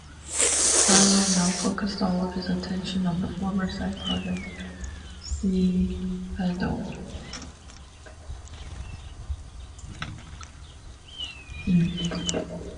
Barlow now focused all of his attention on the former side-project Sebadoh.